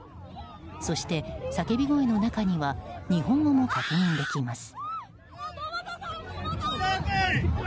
そして叫び声の中には日本語も確認できます。